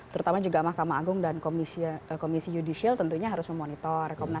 terutama juga mahkamah agung dan komisi yudisial tentunya harus memonitor